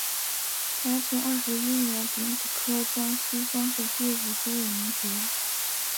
嘉庆二十一年丙子科江西乡试第五十五名举人。